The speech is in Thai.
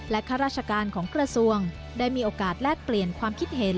ข้าราชการของกระทรวงได้มีโอกาสแลกเปลี่ยนความคิดเห็น